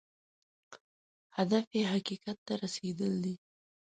هدف یې حقیقت ته رسېدل دی.